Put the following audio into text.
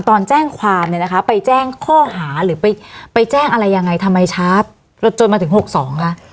ตอนแจ้งความเนี่ยนะคะไปแจ้งข้อหาหรือไปแจ้งอะไรยังไงทำไมช้าจนมาถึง๖๒คะ